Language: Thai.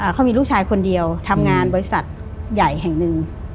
เขามีลูกชายคนเดียวทำงานบริษัทใหญ่แห่งหนึ่ง